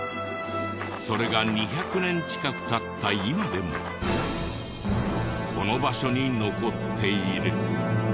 それが２００年近く経った今でもこの場所に残っている。